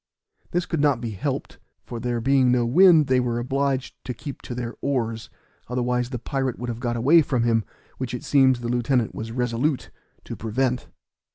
This could not be helped, for there being no wind, they were obliged to keep to their oars, otherwise the pirate would have got away from him, which it seems, the lieutenant was resolute to prevent.